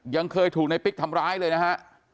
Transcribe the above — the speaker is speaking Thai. ยังเคยถูกในปิ๊กทำร้ายเลยนะฮะ